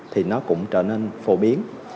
thì nó cũng trở nên phổ biến